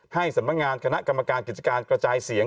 สำนักงานคณะกรรมการกิจการกระจายเสียง